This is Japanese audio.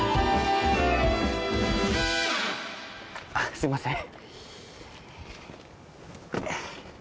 すいません。